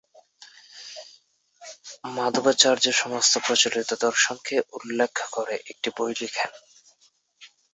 মাধবাচার্য সমস্ত প্রচলিত দর্শনকে উল্ল্যেখ করে একটি বই লেখেন।